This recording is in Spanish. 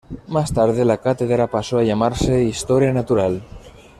Más tarde, la cátedra pasó a llamarse "Historia natural".